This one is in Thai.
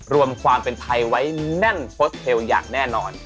รวมความเป็นไทยไว้แน่นโฟสเทลอย่างแน่นอน